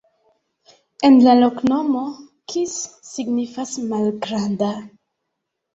En la loknomo kis signifas: malgranda.